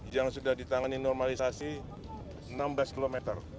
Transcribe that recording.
yang sudah ditangani normalisasi enam belas km